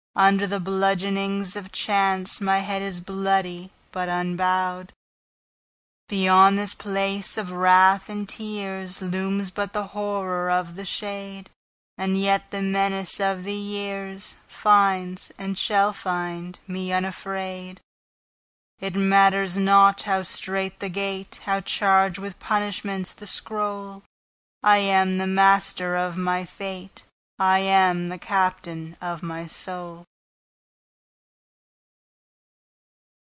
Under the bludgeonings of chanceMy head is bloody, but unbowed. Beyond this place of wrath and tearsLooms but the Horror of the shade, And yet the menace of the yearsFinds, and shall find, me unafraid.It matters not how strait the gate, How charged with punishments the scroll,I am the master of my fate:I am the captain of my soul.